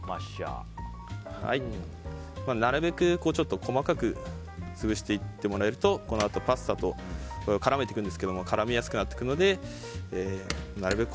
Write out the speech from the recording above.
なるべく細かく潰していってもらえるとこのあとパスタと絡めていくんですけど絡みやすくなってくるのでなるべく